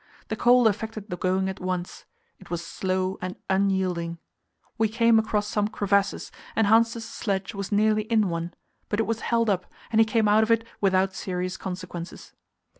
The cold affected the going at once; it was slow and unyielding. We came across some crevasses, and Hanssen's sledge was nearly in one; but it was held up, and he came out of it without serious consequences.